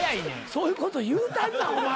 そういうこと言うたんなお前。